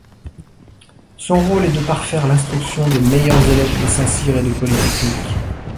Son rôle est de parfaire l'instruction des meilleurs élèves de Saint-Cyr et de Polytechnique.